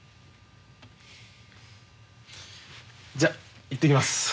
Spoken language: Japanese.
じゃ行ってきます。